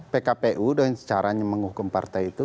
pkpu dengan caranya menghukum partai itu